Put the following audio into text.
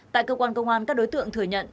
tại cơ quan công an các đối tượng thừa nhận